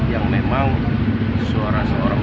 yang memang suara seorang